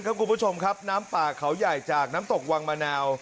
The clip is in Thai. คุณผู้ชมครับน้ำป่าเขาใหญ่จากน้ำตกวังมะนาว